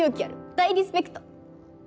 大リスペクト！